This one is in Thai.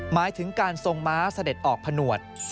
หมายถึงการทรงม้าเสด็จออกผนวด